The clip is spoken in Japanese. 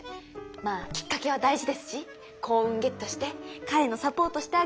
まあきっかけは大事ですし幸運ゲットして彼のサポートしてあげたいんですよねー。